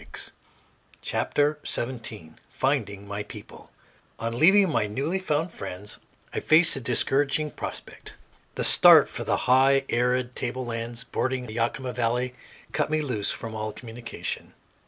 ] CHAPTER SEVENTEEN FINDING MY PEOPLE ON leaving my newly found friends I faced a discouraging prospect. The start for the high, arid table lands bordering the Yakima valley cut me loose from all communication.